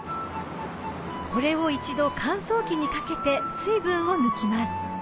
これを一度乾燥機にかけて水分を抜きます